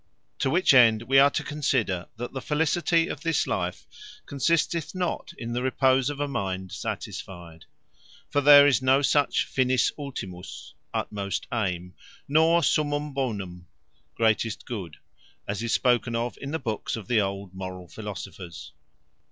To which end we are to consider, that the Felicity of this life, consisteth not in the repose of a mind satisfied. For there is no such Finis Ultimus, (utmost ayme,) nor Summum Bonum, (greatest good,) as is spoken of in the Books of the old Morall Philosophers.